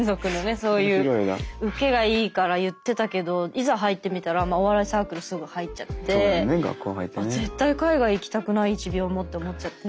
そういう受けがいいから言ってたけどいざ入ってみたらお笑いサークルすぐ入っちゃって。って思っちゃって。